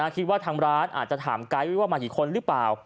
คิดว่าทางร้านอาจจะถามไกด์ไว้ว่ามากี่คนหรือเปล่า